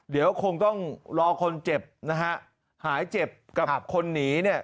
เดี๋ยวคงต้องรอคนเจ็บนะฮะหายเจ็บกับคนหนีเนี่ย